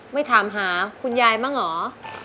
ไม่ถามหาคุณยายบ้างเหรอ